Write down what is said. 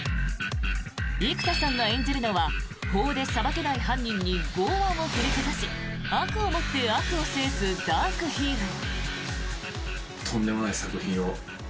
生田さんが演じるのは法で裁けない犯人に剛腕を振りかざし悪をもって悪を制すダークヒーロー。